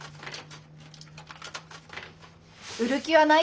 売る気はないって。